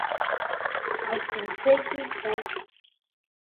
Алтынсы киҫәк